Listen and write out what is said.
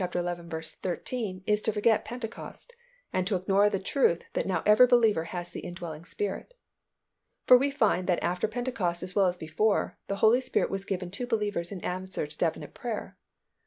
13 is to forget Pentecost, and to ignore the truth that now every believer has the indwelling Spirit;" for we find that after Pentecost as well as before, the Holy Spirit was given to believers in answer to definite prayer.